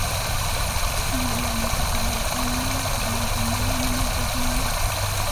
Es el primer video musical de Arjona tomado de una actuación en directo.